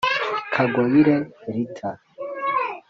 Kagoyire Rita